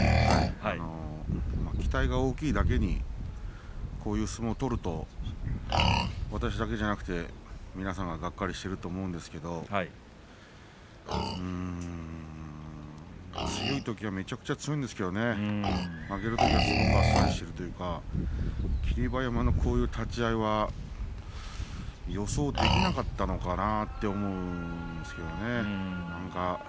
期待が大きいだけにこういう相撲を取ると私だけじゃなくて皆さんもがっかりしていると思うんですけどうーん強いときはめちゃくちゃ強いんですけど負けるときはすごくあっさりしているというか霧馬山のこういう立ち合いは予想できなかったのかなって思うんですけどね。